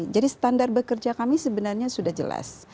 jadi standar bekerja kami sebenarnya sudah jelas